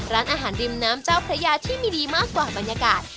ร้านอาหารริมน้ำเจ้าพระยาที่มีดีมากกว่าบรรยากาศ